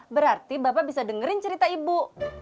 berarti bapak bisa dengerin cerita ibu